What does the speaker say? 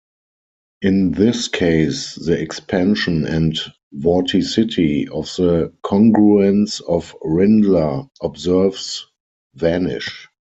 In this case, the "expansion" and "vorticity" of the congruence of Rindler observers "vanish".